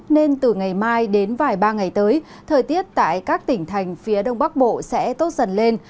nên từ ngày mai đến vài ba ngày tới thời tiết tại các tỉnh thành phía đông bắc bộ sẽ tốt dần lên